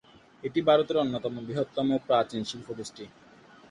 এটি ভারতের অন্যতম বৃহত্তম ও প্রাচীন শিল্প গোষ্ঠী।